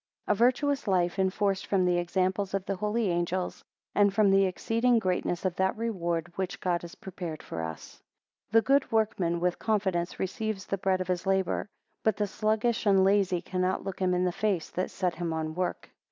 A virtuous life enforced from the examples of the holy angels, and from the exceeding greatness of that reward which God has prepared for us. THE good workman with confidence receives the bread of his labour; but the sluggish and lazy cannot look him in the face that set him on work.